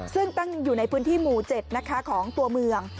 ซึ่งตั้งอยู่ในพื้นที่หมู่๗นะคะของตัวเมือง